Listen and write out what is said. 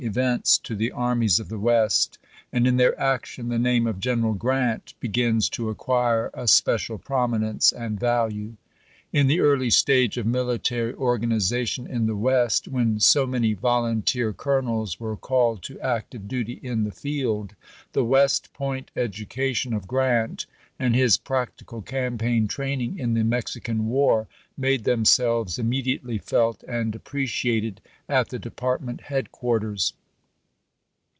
events to the armies of the West, and in their action the name of General Grant begins to acquire a special prominence and value. In the early stage of military organization in the West, when so many volunteer colonels were called to active duty in the field, the West Point education of Grant and his practical campaign training in the Mexican war made themselves immediately felt and appreciated at the department headquarters.